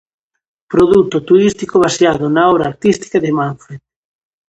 Produto turístico baseado na obra artística de manfred.